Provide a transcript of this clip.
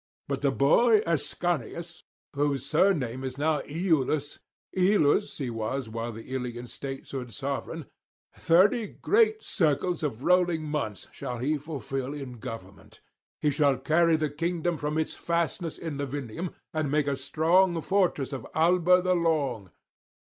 But the boy Ascanius, whose surname is now Iülus Ilus he was while the Ilian state stood sovereign thirty great circles of rolling months shall he fulfil in government; he shall carry the kingdom from its fastness in Lavinium, and make a strong fortress of Alba the Long.